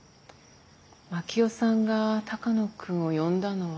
真樹夫さんが鷹野君を呼んだのは。